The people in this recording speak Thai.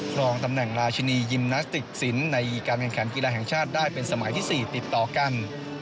ครองตำแหน่งราชินียิมนาสติกศิลป์ในการแข่งขันกีฬาแห่งชาติได้เป็นสมัยที่๔ติดต่อกัน